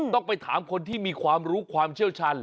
ต้องไปถามคนที่มีความรู้ความเชี่ยวชัน